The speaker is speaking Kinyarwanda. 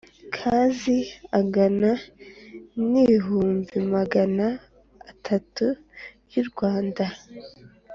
Kazi angana n ibihumbi magana atatu y u rwanda